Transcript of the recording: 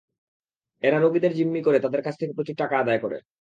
এরা রোগীদের জিম্মি করে তাদের কাছ থেকে প্রচুর টাকা আদায় করে।